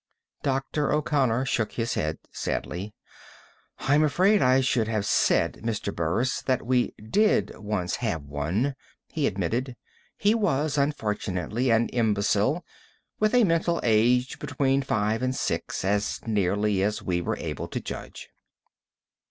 Dr. O'Connor shook his head sadly. "I'm afraid I should have said, Mr. Burris, that we did once have one," he admitted. "He was, unfortunately, an imbecile, with a mental age between five and six, as nearly as we were able to judge."